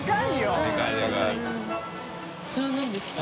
それは何ですか？